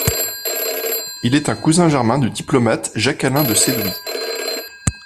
Il est un cousin germain du diplomate Jacques-Alain de Sédouy.